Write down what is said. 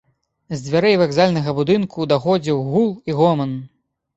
З дзвярэй вакзальнага будынку даходзіў гул і гоман.